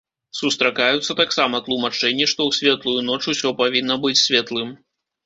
Сустракаюцца таксама тлумачэнні, што ў светлую ноч усё павінна быць светлым.